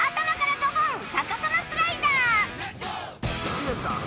いいですか？